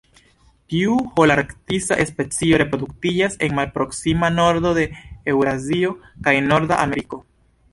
Tiu holarktisa specio reproduktiĝas en malproksima nordo de Eŭrazio kaj Norda Ameriko.